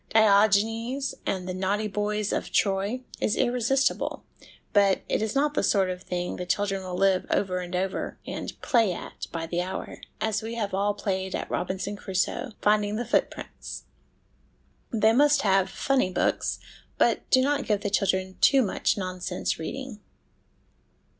Diogenes and the Naughty Boys of Troy is irresistible, but it is not the sort of thing the children will live over and over, and ' play at ' by the hour, as we have all played at Robinson Crusoe finding the footprints. They must have ' funny books,' but do not give the children too much nonsense reading.